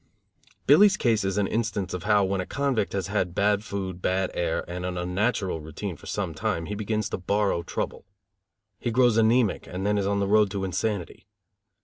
Billy's case is an instance of how, when a convict has had bad food, bad air and an unnatural routine for some time, he begins to borrow trouble. He grows anæmic and then is on the road to insanity.